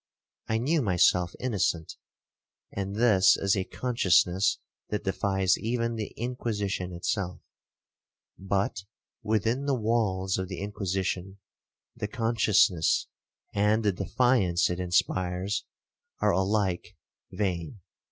I knew myself innocent, and this is a consciousness that defies even the Inquisition itself; but, within the walls of the Inquisition, the consciousness, and the defiance it inspires, are alike vain.